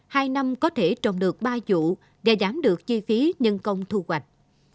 hai năm có thể trồng được ba vụ để giảm được chi phí nhân công thu hoạch